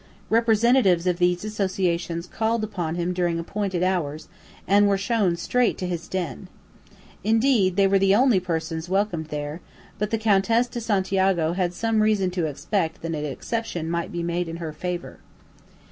Representatives of these associations called upon him during appointed hours, and were shown straight to his "den." Indeed, they were the only persons welcomed there, but the Countess de Santiago had some reason to expect that an exception might be made in her favour.